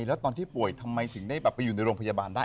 แล้วตอนที่ป่วยทำไมถึงได้ไปอยู่ในโรงพยาบาลได้